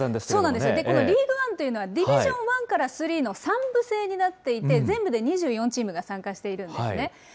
そうなんですよ、このリーグワンは、ディビジョン１から３の３部制になっていて、全部で２４チームが参加しているんですね。